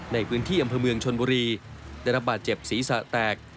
ในพื้นที่อำเภอเมืองชนบุรีได้รับบาดเจ็บศีรษะแตก